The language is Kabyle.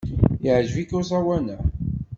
Yeɛjeb-ik uẓawan-a?